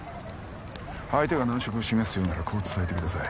相手が難色を示すようならこう伝えてください